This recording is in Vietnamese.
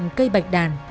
một đoạn cây bạch đàn